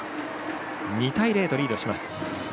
２対０とリードします。